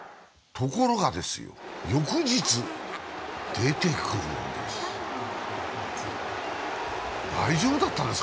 ところが翌日、出てくるんです。